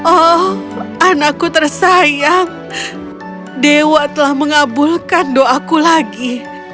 oh anakku tersayang dewa telah mengabulkan doaku lagi